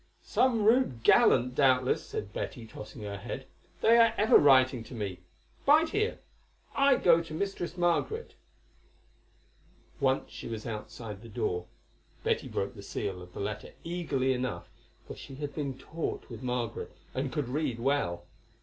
"Some rude gallant, doubtless," said Betty, tossing her head; "they are ever writing to me. Bide here; I go to Mistress Margaret." Once she was outside the door Betty broke the seal of the letter eagerly enough, for she had been taught with Margaret, and could read well.